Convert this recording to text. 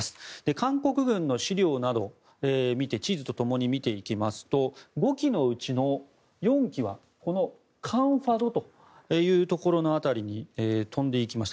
韓国軍の資料などを地図とともに見ていきますと５機のうちの４機は江華島というところの辺りに飛んでいきました。